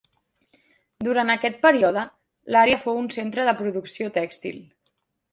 Durant aquest període, l'àrea fou un centre de producció tèxtil.